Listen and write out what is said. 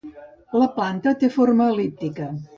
La planta té forma el·líptica.